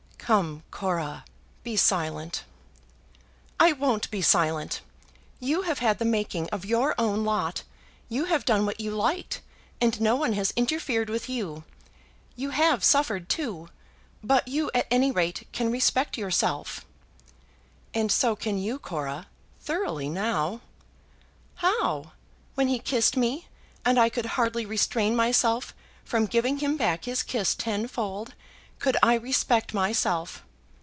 "Come, Cora, be silent." "I won't be silent! You have had the making of your own lot. You have done what you liked, and no one has interfered with you. You have suffered, too; but you, at any rate, can respect yourself." "And so can you, Cora, thoroughly, now." "How; when he kissed me, and I could hardly restrain myself from giving him back his kiss tenfold, could I respect myself?